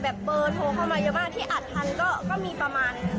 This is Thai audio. เบอร์โทรเข้ามาเยอะมากที่อัดทันก็มีประมาณ